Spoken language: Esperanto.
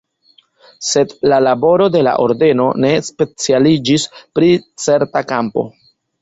Sed la laboro de la ordeno ne specialiĝis pri certa kampo.